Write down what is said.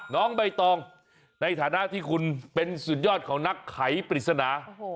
น้องใบตองในฐานะที่คุณเป็นสุดยอดของนักไขปริศนา